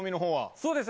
そうですね。